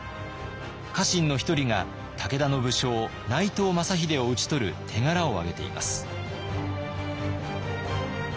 家臣の一人が武田の武将内藤昌秀を討ち取る手柄を挙げています。